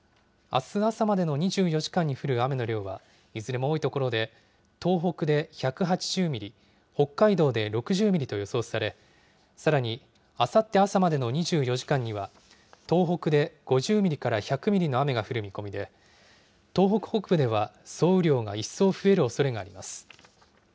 あす朝までの２４時間に降る雨の量は、いずれも多い所で、東北で１８０ミリ、北海道で６０ミリと予想され、さらにあさって朝までの２４時間には、東北で５０ミリから１００ミリの雨が降る見込みで、東北北部では総雨量が一層増えるおそれがあります。